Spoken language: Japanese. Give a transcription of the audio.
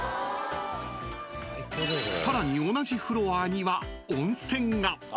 ［さらに同じフロアには］